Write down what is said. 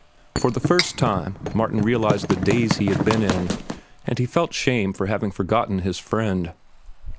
For the first time Martin realized the daze he had been in, and he felt shame for having forgotten his friend.